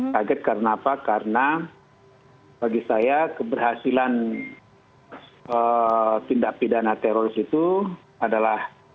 kaget karena apa karena bagi saya keberhasilan tindak pidana teroris itu adalah